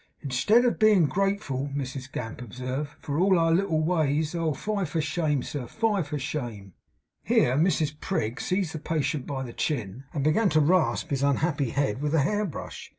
'Instead of being grateful,' Mrs Gamp observed, 'for all our little ways. Oh, fie for shame, sir, fie for shame!' Here Mrs Prig seized the patient by the chin, and began to rasp his unhappy head with a hair brush.